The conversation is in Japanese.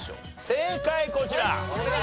正解こちら。